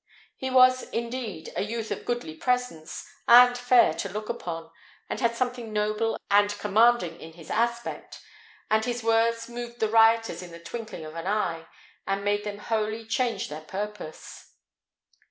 He was, indeed, a youth of a goodly presence, and fair to look upon, and had something noble and commanding in his aspect; and his words moved the rioters in the twinkling of an eye, and made them wholly change their purpose."